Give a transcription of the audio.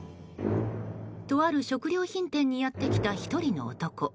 とある食料品店にやってきた１人の男。